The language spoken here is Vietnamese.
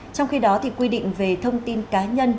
trong khi đó thì quy định về thông tin cá nhân